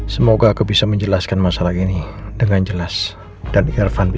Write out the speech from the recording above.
sampai jumpa di video selanjutnya